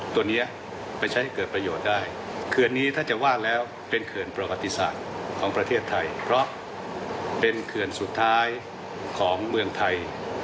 ตัวนี้ไปใช้เข็ดประโยชน์ได้